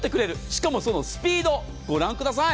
しかもそのスピードご覧ください。